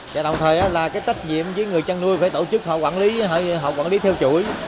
với người chăn nuôi phải tổ chức họ quản lý theo chuỗi